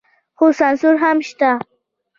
خو سانسور هم شته.